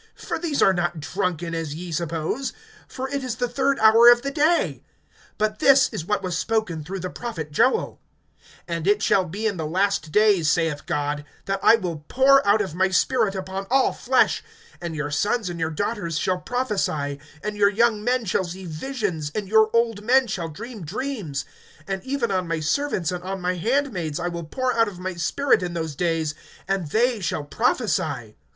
(15)For these are not drunken, as ye suppose, for it is the third hour of the day. (16)But this is what was spoken through the prophet Joel: (17)And it shall be in the last days, saith God, That I will pour out of my Spirit upon all flesh; And your sons and your daughters shall prophesy, And your young men shall see visions, And your old men shall dream dreams; (18)And even on my servants and on my handmaids, I will pour out of my Spirit in those days, And they shall prophesy.